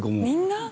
みんな？